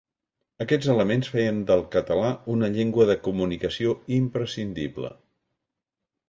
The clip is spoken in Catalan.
Aquests elements feien del català una llengua de comunicació imprescindible.